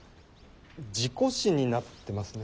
事故死になってますね。